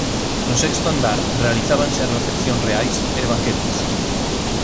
No sexto andar realizábanse as recepcións reais e banquetes.